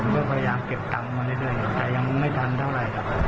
ก็พยายามเก็บตังค์มาเรื่อยแต่ยังไม่ทันเท่าไหร่ครับ